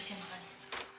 udah terusin makan